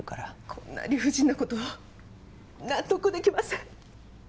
こんな理不尽なこと納得できません。